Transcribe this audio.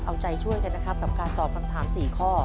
เอาใจช่วยกันนะครับกับการตอบคำถาม๔ข้อ